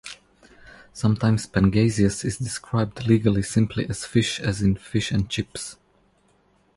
Sometimes pangasius is described, legally, simply as "fish", as in "fish and chips".